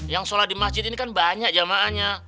yang sholat di masjid ini kan banyak jamaahnya